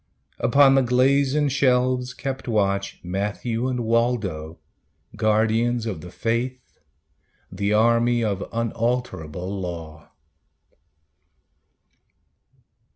Upon the glazen shelves kept watch Matthew and Waldo, guardians of the faith, The army of unalterable law.